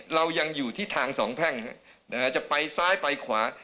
เรายังอยู่ที่ทางสองแพ่งจะไปซ้ายไปขวา